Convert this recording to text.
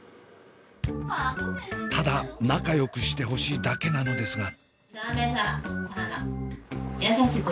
ただ仲よくしてほしいだけなのですが。